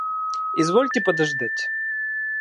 Извольте подождать.